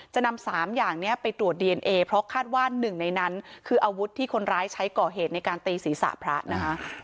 จะนำ๓อย่างนี้ไปตรวจดีเอนเอเพราะคาดว่าหนึ่งในนั้นคืออาวุธที่คนร้ายใช้ก่อเหตุในการตีศีรษะพระนะคะ